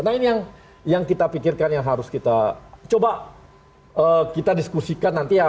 nah ini yang kita pikirkan yang harus kita coba kita diskusikan nanti ya